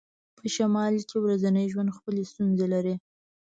په شمال کې ورځنی ژوند خپلې ستونزې لري